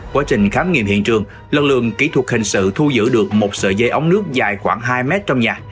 quá trình khám nghiệm hiện trường lực lượng kỹ thuật hình sự thu giữ được một sợi dây ống nước dài khoảng hai mét trong nhà